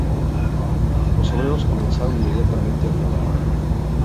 Los obreros comenzaron inmediatamente a trabajar.